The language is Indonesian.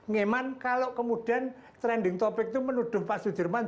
ngeman kalau kemudian trending topic itu menuduh pak sudirman